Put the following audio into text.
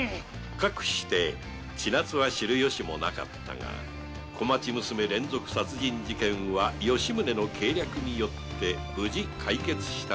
かくして千奈津は知るよしもなかったが小町娘連続殺人事件は吉宗の計略によって無事解決した